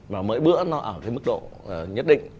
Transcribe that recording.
và mỗi bữa nó ở cái mức độ nhất định